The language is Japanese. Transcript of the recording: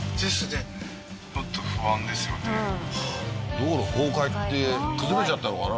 道路崩壊って崩れちゃったのかな？